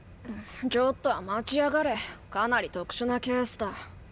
ちょっとは待ちやがれかなり特殊なケースだ。